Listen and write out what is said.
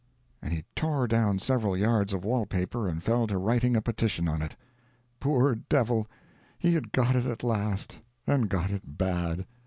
And he tore down several yards of wall paper, and fell to writing a petition on it. Poor devil—he had got it at last, and got it bad.